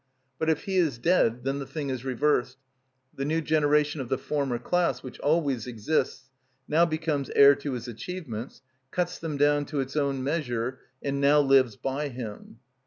But if he is dead, then the thing is reversed; the new generation of the former class, which always exists, now becomes heir to his achievements, cuts them down to its own measure, and now lives by him.